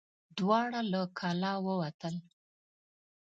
دواړه له کلا ووتل.